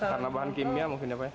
karena bahan kimia mungkin apa ya